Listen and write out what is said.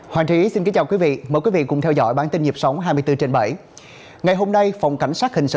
hoàng thị xin kính chào quý vị mời quý vị cùng theo dõi bản tin nhập sống hai mươi bốn trên bảy